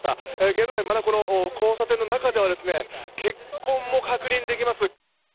現在、この交差点の中では血痕も確認できます。